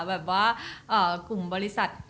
แบบว่ากลุ่มบริษัท